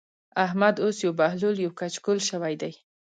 احمد اوس يو بهلول يو کچکول شوی دی.